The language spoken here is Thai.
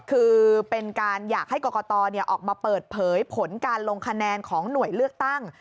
คือเป็นการอยากให้กรกตออกมาเปิดเผยผลการลงคะแนนของหน่วยเลือกตั้ง